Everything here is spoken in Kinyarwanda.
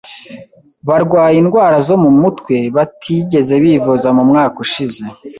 barwaye indwara zo mu mutwe, batigeze bivuza mu mwaka ushize